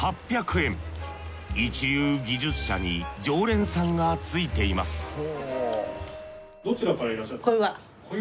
一流技術者に常連さんがついています小岩！？